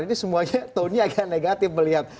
ini semuanya tone nya agak negatif melihat